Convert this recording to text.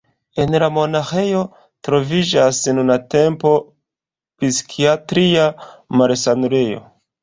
En la monaĥejo troviĝas nuntempe psikiatria malsanulejo.